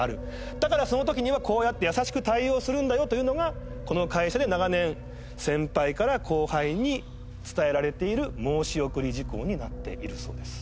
だからその時にはこうやって優しく対応するんだよというのがこの会社で長年先輩から後輩に伝えられている申し送り事項になっているそうです。